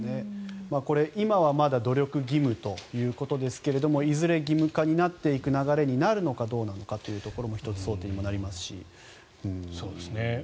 これ、今はまだ努力義務ということですけれどもいずれ義務化になっていく流れになるのかどうなのかも１つ、争点にもなりますし。